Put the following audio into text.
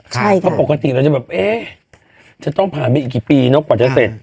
เพราะปกติเราจะแบบเอ๊ะจะต้องผ่านไปอีกกี่ปีเนอะกว่าจะเสร็จ